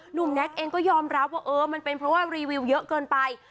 แน็กเองก็ยอมรับว่าเออมันเป็นเพราะว่ารีวิวเยอะเกินไป